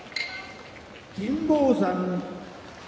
金峰山